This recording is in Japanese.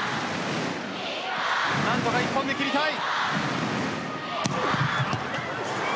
何とか１本で切りたい。